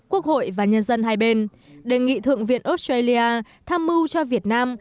quốc hội và nhân dân hai bên đề nghị thượng viện australia tham mưu cho việt nam